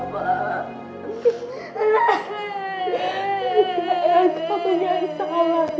kamu yang salah nak